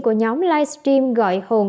của nhóm livestream gọi hồn